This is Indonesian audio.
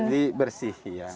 menjadi bersih iya